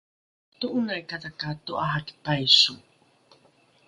to’onaikata ka to’araki paiso